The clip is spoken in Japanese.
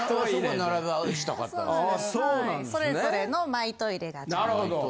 それぞれのマイトイレがちゃんと。